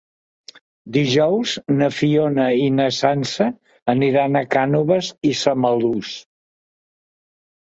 Dijous na Fiona i na Sança aniran a Cànoves i Samalús.